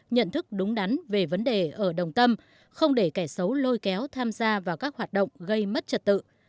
nhận thức đúng đắn về vấn đề ở đồng tâm không để kẻ xấu lôi kéo tham gia vào các hoạt động gây mất trật tự